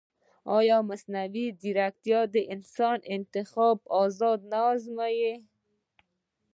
ایا مصنوعي ځیرکتیا د انساني انتخاب ازادي نه ازموي؟